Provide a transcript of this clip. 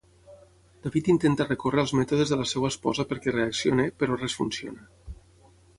David intenta recórrer als mètodes de la seva esposa perquè reaccioni però res funciona.